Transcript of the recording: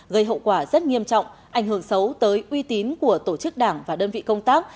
gây hậu quả rất nghiêm trọng ảnh hưởng xấu tới uy tín của tổ chức đảng và đơn vị công tác